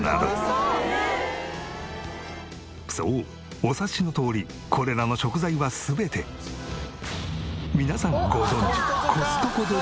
そうお察しのとおりこれらの食材は全て皆さんご存じコストコで爆買い。